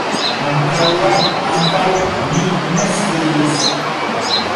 Antaŭe ankaŭ mi ne sciis.